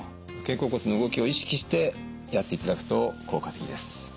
肩甲骨の動きを意識してやっていただくと効果的です。